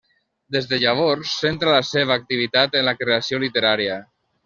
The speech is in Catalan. Des de llavors centra la seva activitat en la creació literària.